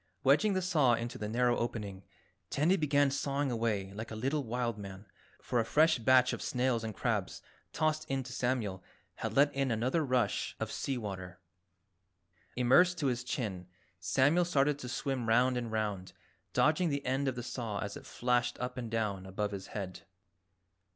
Wedging the saw into the narrow opening, Tandy began sawing away like a little wild man, for a fresh batch of snails and crabs tossed in to Samuel had let in another rush of sea water. Immersed to his chin, Samuel started to swim round and round, dodging the end of the saw as it flashed up and down above his head.